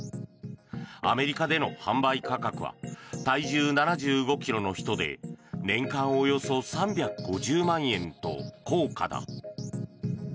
アメリカでの販売価格は体重７５ｋｇの人で年間およそ３５０万円と高価だ。